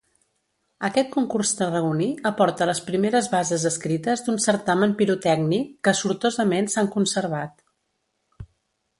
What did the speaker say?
Aquest concurs tarragoní aporta les primeres bases escrites d'un certamen pirotècnic, que sortosament s'han conservat.